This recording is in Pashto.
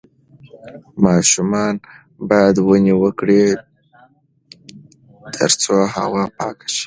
ماشومان باید ونې وکرې ترڅو هوا پاکه شي.